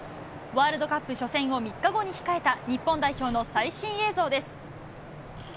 ワールドカップ初戦を３日後に控えた日本代表の最新映像です。